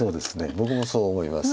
僕もそう思います。